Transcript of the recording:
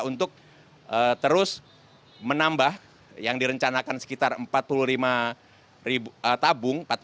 untuk terus menambah yang direncanakan sekitar empat puluh lima tabung